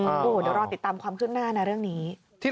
โอ้โฮเดี๋ยวรอติดตามความคึกหน้าในเรื่องนี้